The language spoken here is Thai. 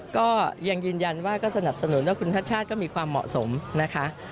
ก็ยังยืนยันว่าก็สนับสนุนว่าคุณทัชชาติก็มีความเหมาะสมนะคะ